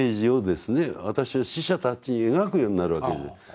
私は死者たちに描くようになるわけです。